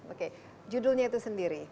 oke judulnya itu sendiri